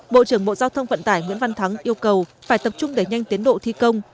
bộ trưởng bộ giao thông vận tải nguyễn văn thắng yêu cầu phải tập trung đẩy nhanh tiến độ thi công